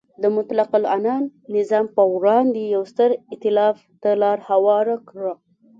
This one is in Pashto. د مطلقه العنان نظام پر وړاندې یو ستر ایتلاف ته لار هواره کړه.